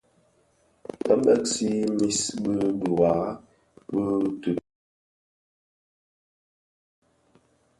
Bë bëgsi mis bi biwara bi titōň ti dyaba.